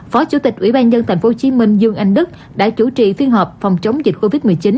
phó chủ tịch ủy ban nhân dân tp hcm dương anh đức đã chủ trì phiên họp phòng chống dịch covid một mươi chín